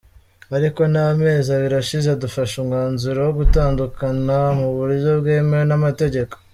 Ariko nta mezi abiri ashize dufashe umwanzuro wo gutandukana mu buryo bwemewe n’amategeko.